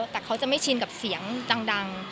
แต่เขาจะไม่ชินกับเสียงดัง